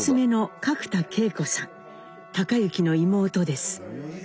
隆之の妹です。